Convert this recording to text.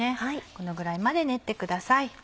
このぐらいまで練ってください。